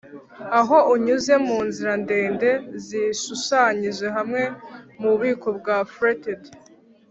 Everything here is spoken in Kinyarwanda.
aho unyuze munzira ndende zishushanyije hamwe nububiko bwa fretted